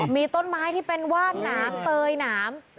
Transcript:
มีต้นไม้ที่เป็นวาดน้ำเตยน้ำ